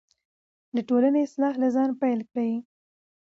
د ټولنې اصلاح له ځانه پیل کړئ.